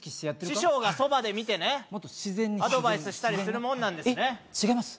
師匠がそばで見てねアドバイスしたりするもんなんですね違います？